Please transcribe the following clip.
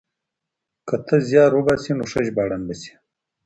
که ته زيار وباسې نو ښه ژباړن به شې.